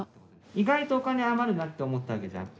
意外とお金余るなって思ったわけじゃん。